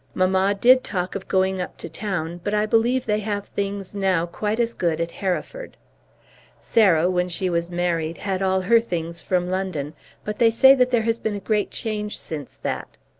Mamma did talk of going up to town, but I believe they have things now quite as good at Hereford. Sarah, when she was married, had all her things from London, but they say that there has been a great change since that.